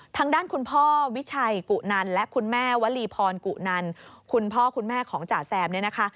ทางด้านคุณพ่อวิชัยกุนันและคุณแม่วลีพรกุนันคุณพ่อคุณแม่ของจ่าแซมเนี่ยนะคะ